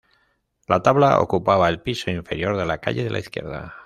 La tabla ocupaba el piso inferior de la calle de la izquierda.